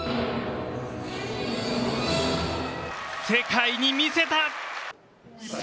世界に見せた！